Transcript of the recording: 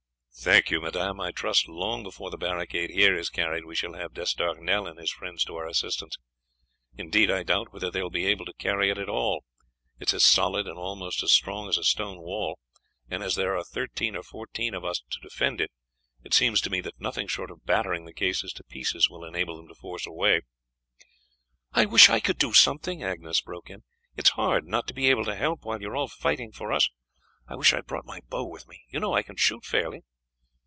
"Thank you, madame; I trust long before the barricade here is carried we shall have D'Estournel and his friends to our assistance. Indeed, I doubt whether they will be able to carry it at all; it is as solid and almost as strong as a stone wall, and as there are thirteen or fourteen of us to defend it, it seems to me that nothing short of battering the cases to pieces will enable them to force a way." "I wish I could do something," Agnes broke in; "it is hard not to be able to help while you are all fighting for us. I wish I had brought my bow with me, you know I can shoot fairly."